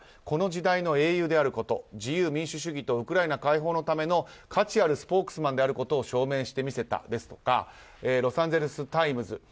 この時代の英雄であること自由民主主義とウクライナ解放のための価値あるスポークスマンであることを証明して見せたですとかロサンゼルス・タイムズ。